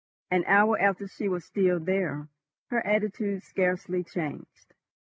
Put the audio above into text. An hour after she was still there, her attitude scarcely changed.